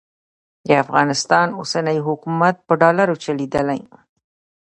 د افغانستان اوسنی حکومت په ډالرو چلېدلی.